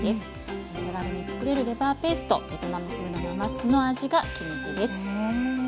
手軽に作れるレバーペーストベトナム風のなますの味が決め手です。